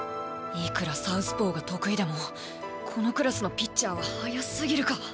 いくらサウスポーが得意でもこのクラスのピッチャーは速すぎるか。